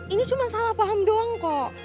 ini cuma salah paham doang kok